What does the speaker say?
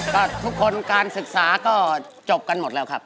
ก็ทุกคนการศึกษาก็จบกันหมดแล้วครับ